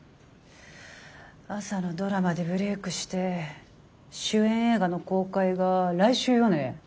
朝のドラマでブレークして主演映画の公開が来週よね？